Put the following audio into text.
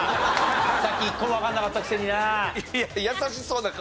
さっき一個もわかんなかったくせにな。